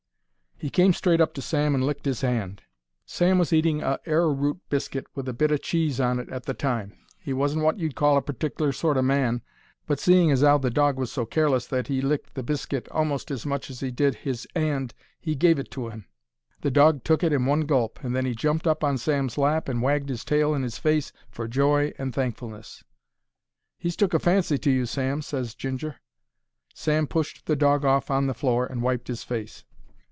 He came straight up to Sam and licked his 'and. Sam was eating a arrowroot biscuit with a bit o' cheese on it at the time. He wasn't wot you'd call a partickler sort o' man, but, seeing as 'ow the dog was so careless that 'e licked the biscuit a'most as much as he did his 'and, he gave it to 'im. The dog took it in one gulp, and then he jumped up on Sam's lap and wagged his tail in 'is face for joy and thankfulness. "He's took a fancy to you, Sam," ses Ginger. Sam pushed the dog off on to the floor and wiped his face.